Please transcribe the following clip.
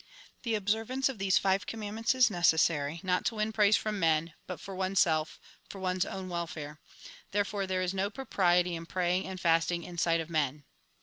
" The observance of these five commandments is necessary, not to win praise from men, but for oneself, for one's own welfare ; therefore there is no propriety in praying and fasting in sight of men.